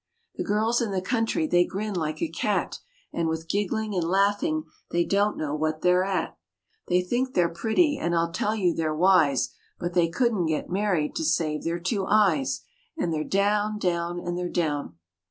The girls in the country they grin like a cat, And with giggling and laughing they don't know what they're at, They think they're pretty and I tell you they're wise, But they couldn't get married to save their two eyes, And they're down, down, and they're down.